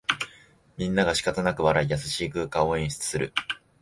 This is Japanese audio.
みんながしかたなく笑い、優しい空間を演出する